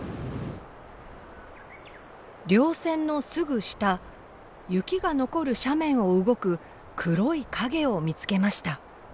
稜線のすぐ下雪が残る斜面を動く黒い影を見つけました。